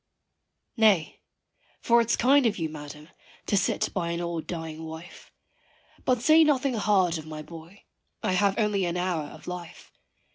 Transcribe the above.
Nay for it's kind of you, Madam, to sit by an old dying wife. But say nothing hard of my boy, I have only an hour of life.